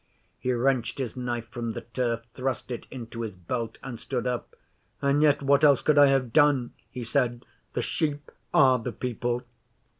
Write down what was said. He wrenched his knife from the turf, thrust it into his belt and stood up. 'And yet, what else could I have done?' he said. 'The sheep are the people.